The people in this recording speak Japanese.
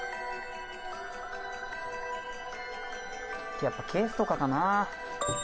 やっぱケースとかかな。